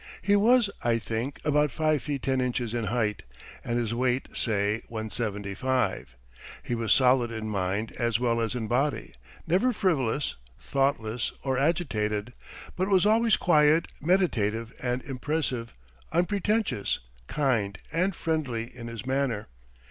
He was (I think) about five feet ten inches in height, and his weight say 175. He was solid in mind as well as in body, never frivolous, thoughtless, or agitated; but was always quiet, meditative, and impressive, unpretentious, kind, and friendly in his manner.